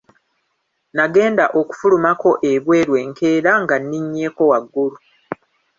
Nagenda okufulumako ebweru enkeera nga ninnyeeko waggulu.